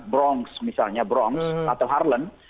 bronx misalnya bronx atau harlem